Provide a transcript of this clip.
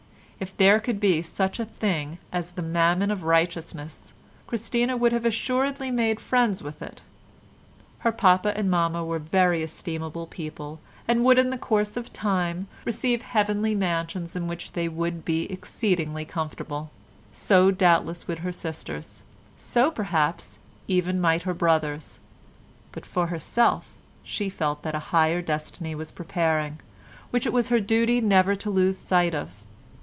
If there could be such a thing as the Mammon of Righteousness Christina would have assuredly made friends with it. Her papa and mamma were very estimable people and would in the course of time receive Heavenly Mansions in which they would be exceedingly comfortable; so doubtless would her sisters; so perhaps, even might her brothers; but for herself she felt that a higher destiny was preparing, which it was her duty never to lose sight of.